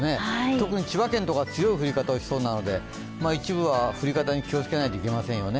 特に千葉県とかは強い降り方をしそうなので、一部には気をつけないといけないですよね。